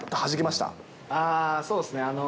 そうですね。